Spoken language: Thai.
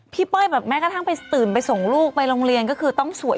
เป้ยแบบแม้กระทั่งไปตื่นไปส่งลูกไปโรงเรียนก็คือต้องสวย